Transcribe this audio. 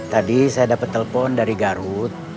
tadi saya dapat telepon dari garut